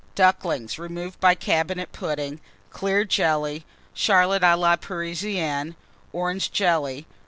_ Ducklings, removed by Cabinet Pudding. Clear Jelly. Charlotte a la Parisienne. Orange Jelly.